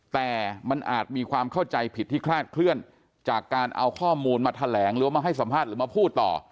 แต่มันอาจมีความเข้าใจผิดที่คลาดเคลื่อนจากการเอาข้อมูลมาแถลงหรือว่ามาให้สัมภาษณ์หรือมาพูดต่อ